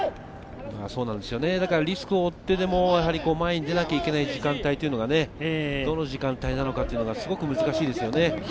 リスクを負ってでも前に出なきゃいけない時間帯というのが、どの時間帯なのかというのがすごく難しいですよね。